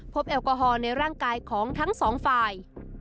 แอลกอฮอล์ในร่างกายของทั้งสองฝ่าย